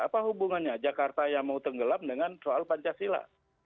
apa hubungannya jakarta yang mau tenggelam dengan soal pancasila